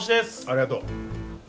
ありがとう。